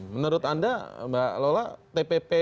menurut anda mbak lola tpp